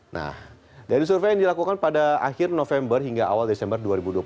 nah dari survei yang dilakukan pada akhir november hingga awal desember dua ribu dua puluh